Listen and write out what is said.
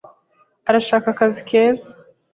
arashaka akazi keza.